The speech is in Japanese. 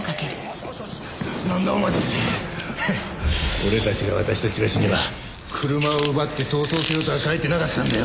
俺たちが渡したチラシには車を奪って逃走せよとは書いてなかったんだよ。